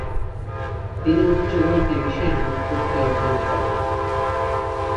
তিনি উচ্চগণিতে বিশেষ ব্যুৎপত্তি অর্জন করেন।